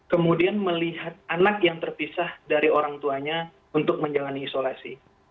kemudian melihat anak yang terpisah dari orang tuanya untuk menjalani isolasi